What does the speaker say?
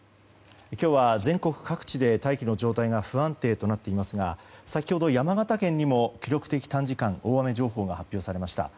今日は全国各地で大気の状態が不安定となっていますが先ほど山形県にも記録的短時間大雨情報が発表されました。